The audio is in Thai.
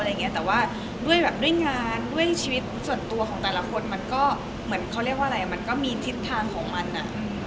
แต่ว่าด้วยงานด้วยชีวิตส่วนตัวของแต่ละคนมันก็มีทิศทางของมันอะ